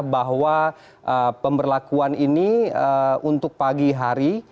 bahwa pemberlakuan ini untuk pagi hari